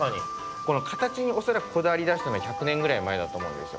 このかたちにおそらくこだわりだしたの１００ねんぐらいまえだとおもうんですよ。